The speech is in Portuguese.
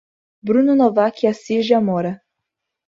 Bruno Novaque Assis de Amora